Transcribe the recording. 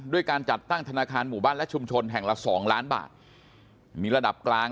การจัดตั้งธนาคารหมู่บ้านและชุมชนแห่งละสองล้านบาทมีระดับกลาง